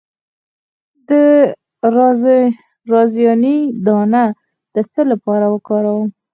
د رازیانې دانه د څه لپاره وکاروم؟